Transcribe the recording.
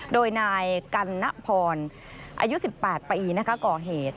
โดยนายกัณพรอายุ๑๘ปีก่อเหตุ